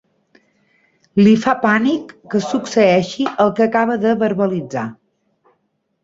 Li fa pànic que succeeixi el que acaba de verbalitzar.